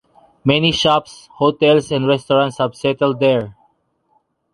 Many shops, hotels and restaurants have settled there.